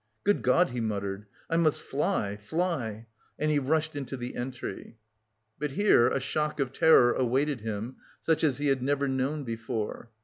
"Good God!" he muttered "I must fly, fly," and he rushed into the entry. But here a shock of terror awaited him such as he had never known before.